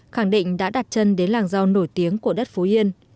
khẳng định đã đặt chân đến làng rau nổi tiếng của đất phú yên